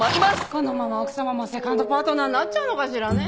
このまま奥様もセカンドパートナーになっちゃうのかしらねえ。